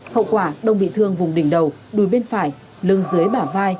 hậu quả đông bị thương vùng đỉnh đầu đùi bên phải lưng dưới bả vai